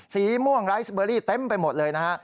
สีม่วงไรสเบอรี่เต็มไปหมดเลยนะฮะ